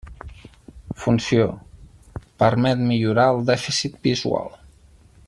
Funció: permet millorar el dèficit visual.